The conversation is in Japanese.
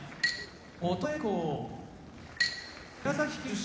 琴恵光宮崎県出身